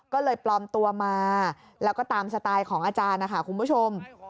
ก็เลยปลอมตัวมาแล้วก็ตามสไตล์ของอาจารย์นะคะคุณผู้ชม